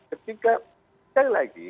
ketika sekali lagi